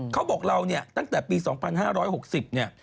เขาบอกเราเนี่ยตั้งแต่ปี๒๕๖๐เนี่ย